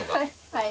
はい。